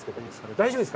大丈夫です。